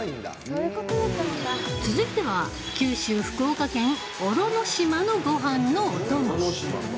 続いては九州、福岡県小呂島のごはんのお供！